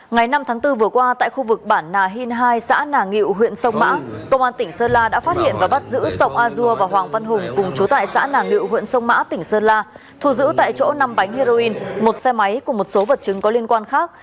ngày năm tháng bốn vừa qua tại khu vực bản nà hìn hai xã nà ngự huyện sông mã công an tỉnh sơn la đã phát hiện và bắt giữ sông a dua và hoàng văn hùng cùng chú tại xã nà ngự huyện sông mã tỉnh sơn la thu giữ tại chỗ năm bánh heroin một xe máy cùng một số vật chứng có liên quan khác